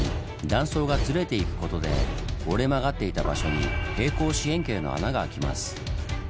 断層がずれていくことで折れ曲がっていた場所に平行四辺形の穴が開きます。